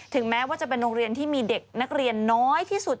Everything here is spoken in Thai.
แม้ว่าจะเป็นโรงเรียนที่มีเด็กนักเรียนน้อยที่สุด